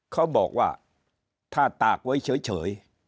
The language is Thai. เขาบอกว่าถ้าตากไว้เฉย